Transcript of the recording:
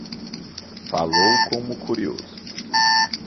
Falou como curioso.